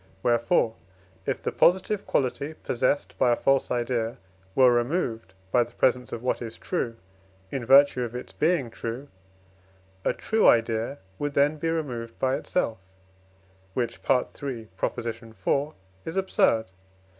Wherefore, if the positive quality possessed by a false idea were removed by the presence of what is true, in virtue of its being true, a true idea would then be removed by itself, which (IV. iii.) is absurd.